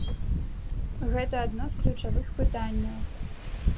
Гэта адно з ключавых пытанняў.